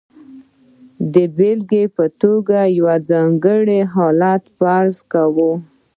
د بېلګې په توګه یو ځانګړی حالت فرض کوو.